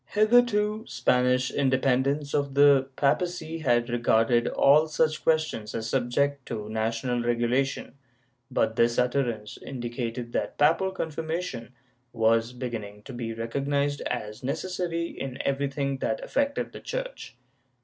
^ Hitherto Spanish independence of the papacy had regarded all such questions as subject to national regulation, but this utterance indicated that papal confirmation was beginning to be recognized as necessary in everything that affected the Church.